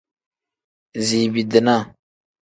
Ziibi-dinaa.